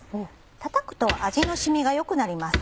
たたくと味の染みが良くなります。